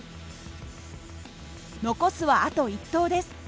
残すはあと１投です。